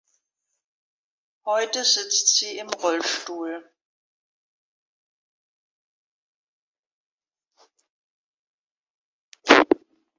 Heute sitzt sie im Rollstuhl.